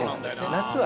夏は。